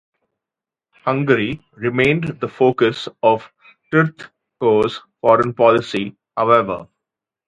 Hungary remained the focus of Tvrtko's foreign policy, however.